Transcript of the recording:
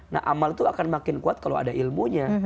nah amal itu akan makin kuat kalau ada ilmunya